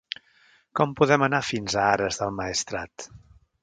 Com podem anar fins a Ares del Maestrat?